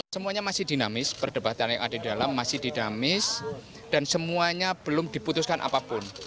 semuanya masih dinamis perdebatan yang ada di dalam masih dinamis dan semuanya belum diputuskan apapun